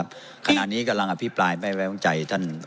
สถานีกระหลังกระทรัพย์ไม่ต้องใจท่าน